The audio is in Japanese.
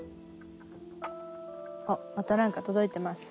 あっまた何か届いてます。